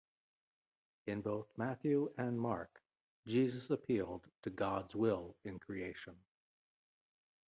In both Matthew and Mark, Jesus appealed to God's will in creation.